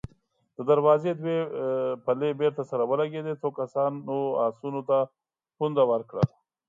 د دروازې دوې پلې بېرته سره ولګېدې، څو کسانو آسونو ته پونده ورکړه.